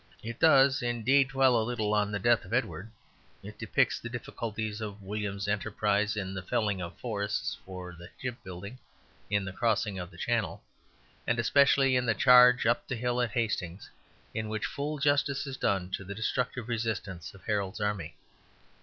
It does, indeed, dwell a little on the death of Edward; it depicts the difficulties of William's enterprise in the felling of forests for shipbuilding, in the crossing of the Channel, and especially in the charge up the hill at Hastings, in which full justice is done to the destructive resistance of Harold's army.